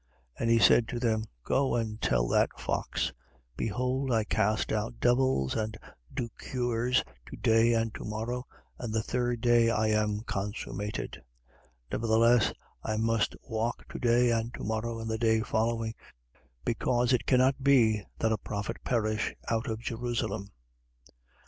And he said to them: Go and tell that fox: Behold, I cast out devils and do cures, to day and to morrow, and the third day I am consummated. 13:33. Nevertheless, I must walk to day and to morrow and the day following, because it cannot be that a prophet perish, out of Jerusalem.